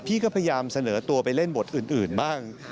พี่ก็พยายามเสนอตัวไปเล่นบทอื่นบ้าง